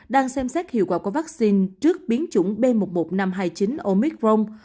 đang xem xét hiệu quả của vaccine trước biến chủng b một một năm trăm hai mươi chín omicron